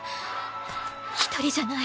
一人じゃない！